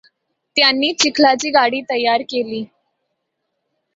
त्यांनी चिखलाची गाडी तयार केली.